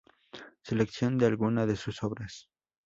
Selección de alguna de sus obras